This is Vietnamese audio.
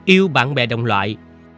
yêu bạn bè đồng loại